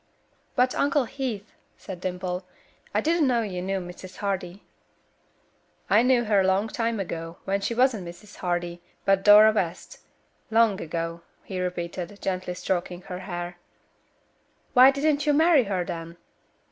"But, Uncle Heath," said Dimple, "I didn't know you knew Mrs. Hardy." "I knew her long ago, when she wasn't Mrs. Hardy, but Dora West. Long ago," he repeated, gently stroking her hair. "Why didn't you marry her then?"